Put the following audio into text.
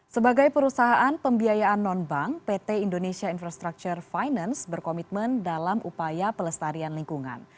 sebagai perusahaan pembiayaan non bank pt indonesia infrastructure finance berkomitmen dalam upaya pelestarian lingkungan